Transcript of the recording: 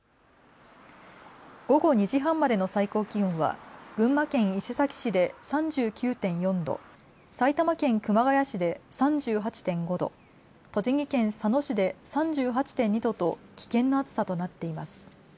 午後２時半までの最高気温は群馬県伊勢崎市で３９．４度、埼玉県熊谷市で３８．５度、栃木県佐野市で３８．２度と危険な暑さとなっています。